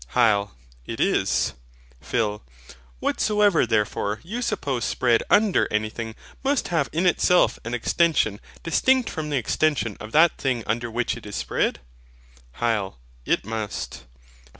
HYL. It is. PHIL. Whatsoever therefore you suppose spread under anything must have in itself an extension distinct from the extension of that thing under which it is spread? HYL. It must.